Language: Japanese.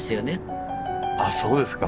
あっそうですか。